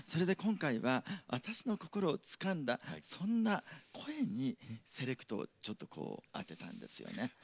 今回は私の心をつかんだそんな声にセレクトをちょっと当てたんですよね。